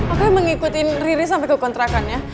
aku yang mengikuti riri sampai kekontrakannya